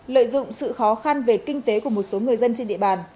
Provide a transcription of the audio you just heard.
lợi dụng sự khó khăn về kinh tế của một số người dân trên địa bàn